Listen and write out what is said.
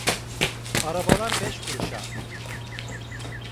Arabalar beş kuruşa!